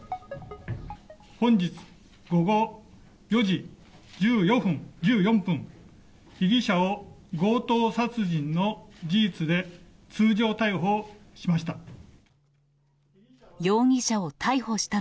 本日午後４時１４分、被疑者を強盗殺人の事実で通常逮捕しました。